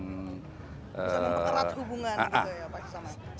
sehat dalam berperat hubungan gitu ya pak kisaman